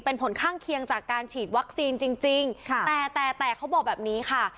เป็นผลข้างเคียงจากการฉีดวัคซีนจริงจริงค่ะแต่แต่เขาบอกแบบนี้ค่ะ